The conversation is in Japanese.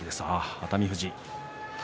熱海富士。